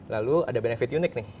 lalu ada benefit unik nih